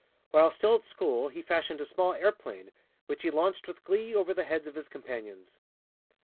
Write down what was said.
While still at school he fashioned a small airplane, which he launched with glee over the heads of his companions.